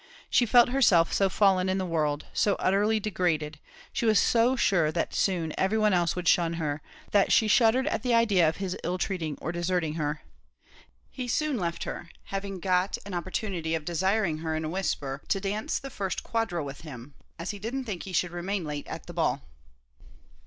She felt herself so fallen in the world so utterly degraded she was so sure that soon every one else would shun her, that she shuddered at the idea of his ill treating or deserting her. He soon left her, having got an opportunity of desiring her in a whisper to dance the first quadrille with him, as he didn't think he should remain late at the ball.